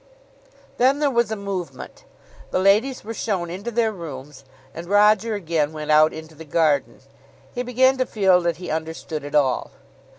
Then there was a movement. The ladies were shown into their rooms, and Roger again went out into the garden. He began to feel that he understood it all.